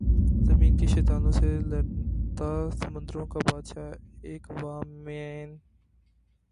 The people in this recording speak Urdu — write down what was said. زمین کے شیطانوں سے لڑتا سمندروں کا بادشاہ ایکوامین